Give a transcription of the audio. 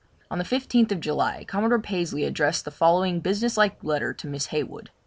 On the 15th July, Commodore Pasley addresses the following business like letter to Miss Heywood.